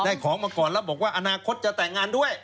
ของมาก่อนแล้วบอกว่าอนาคตจะแต่งงานด้วย